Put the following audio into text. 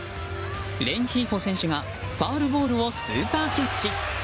レンヒーフォ選手がファウルボールをスーパーキャッチ！